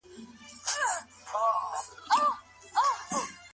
موږ په ټولنه کې یو بل اغېزمنوو.